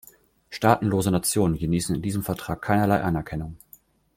Staatenlose Nationen genießen in diesem Vertrag keinerlei Anerkennung.